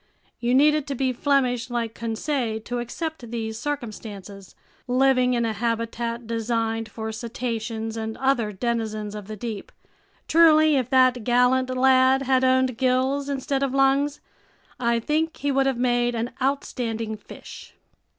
You needed to be Flemish like Conseil to accept these circumstances, living in a habitat designed for cetaceans and other denizens of the deep. Truly, if that gallant lad had owned gills instead of lungs, I think he would have made an outstanding fish!